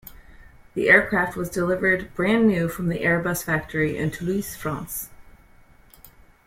The aircraft was delivered brand-new from the Airbus factory in Toulouse, France.